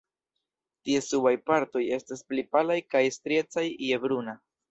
Ties subaj partoj estas pli palaj kaj striecaj je bruna.